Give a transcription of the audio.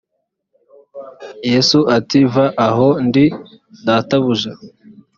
yesu ati va aho ndi databuja